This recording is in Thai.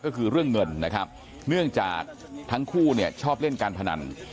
ก็คือเรื่องเงินนะครับเนื่องจากทั้งคู่เนี่ยชอบเล่นการพนัน